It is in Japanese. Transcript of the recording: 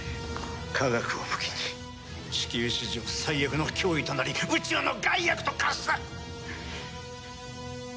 科学を武器に地球史上最悪の脅威となり宇宙の害悪と化した！